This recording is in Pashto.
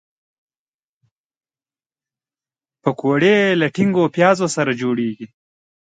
پکورې له ټینګو پیازو سره جوړیږي